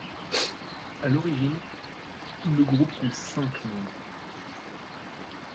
À l’origine, le groupe compte cinq membres.